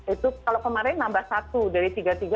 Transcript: itu kalau kemarin nambah satu dari tiga puluh tiga tiga puluh empat